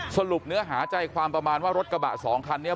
สรุปเนื้อหาใจความประมาณว่ารถกระบะสองคันนี้